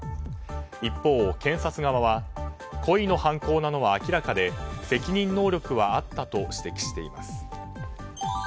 一方、検察側は故意の犯行なのは明らかで責任能力はあったと指摘しています。